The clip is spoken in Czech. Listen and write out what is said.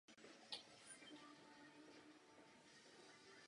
Je samozřejmé, že předseda Komise nemůže zastupovat jedinou stranu.